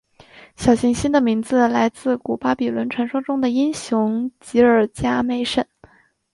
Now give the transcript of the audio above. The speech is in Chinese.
小行星的名字来自古巴比伦传说中的英雄吉尔伽美什。